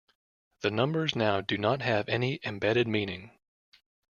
The numbers now do not have any embedded meaning.